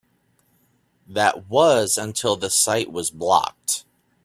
That was until the site was blocked.